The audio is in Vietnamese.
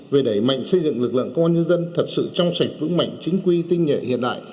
về đẩy mạnh xây dựng lực lượng công an nhân dân thật sự trong sạch vững mạnh chính quy tinh nhuệ hiện đại